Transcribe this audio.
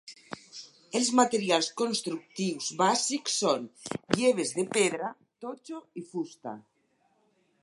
Els materials constructius bàsics són lleves de pedra, totxo i fusta.